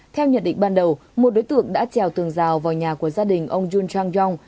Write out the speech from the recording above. theo nhận định ban đầu một đối tượng đã trèo tường rào vào nhà của gia đình ông jun chang yong